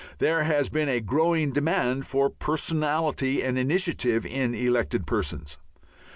There has been a growing demand for personality and initiative in elected persons.